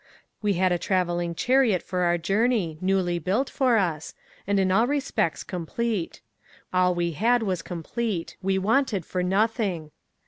We had a travelling chariot for our journey, newly built for us, and in all respects complete. All we had was complete; we wanted for nothing.